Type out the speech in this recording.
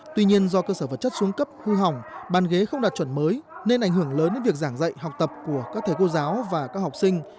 tuy nhiên do cơ sở vật chất xuống cấp hư hỏng bàn ghế không đạt chuẩn mới nên ảnh hưởng lớn đến việc giảng dạy học tập của các thầy cô giáo và các học sinh